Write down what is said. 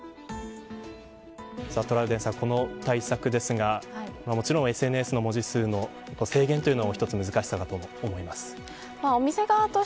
トラウデンさん、この対策ですがもちろん、ＳＮＳの文字数の制限というのも一つの難しさだと思います。